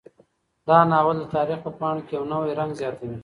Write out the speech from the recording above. دا ناول د تاریخ په پاڼو کې یو نوی رنګ زیاتوي.